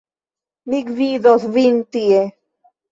Mi gvidos vin tie.